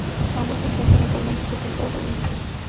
Ambos se encuentran actualmente sepultados allí.